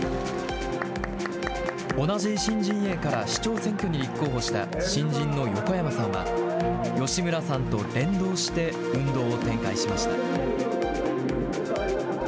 同じ維新陣営から市長選挙に立候補した新人の横山さんは、吉村さんと連動して運動を展開しました。